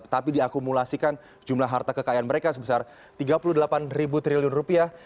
tapi diakumulasikan jumlah harta kekayaan mereka sebesar tiga puluh delapan ribu triliun rupiah